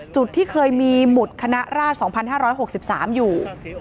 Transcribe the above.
ที่เคยมีหมุดคณะราช๒๕๖๓อยู่